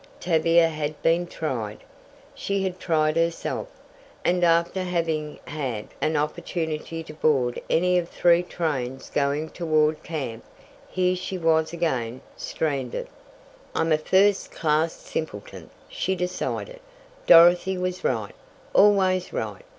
Tavia had been tried, she had tried herself, and after having had an opportunity to board any of three trains going toward camp, here she was again stranded! "I'm a first class simpleton," she decided. "Dorothy was right; always right.